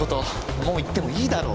もう行ってもいいだろ？